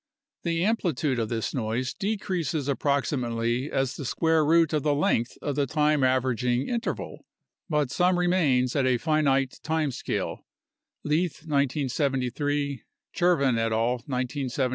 The amplitude of this noise decreases approximately as the square root of the length of the time averaging interval, but some remains at any finite time scale (Leith, 1973; Chervin et at, 1974).